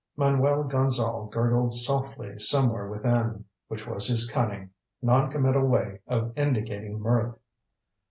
Manuel Gonzale gurgled softly somewhere within, which was his cunning, non committal way of indicating mirth.